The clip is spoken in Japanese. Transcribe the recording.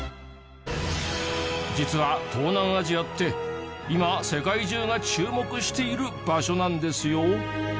実は東南アジアって今世界中が注目している場所なんですよ。